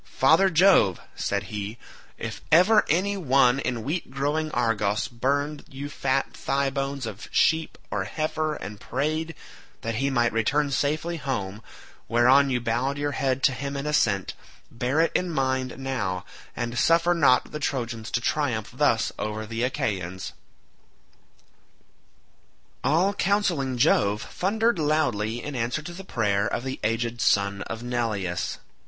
"Father Jove," said he, "if ever any one in wheat growing Argos burned you fat thigh bones of sheep or heifer and prayed that he might return safely home, whereon you bowed your head to him in assent, bear it in mind now, and suffer not the Trojans to triumph thus over the Achaeans." All counselling Jove thundered loudly in answer to the prayer of the aged son of Neleus.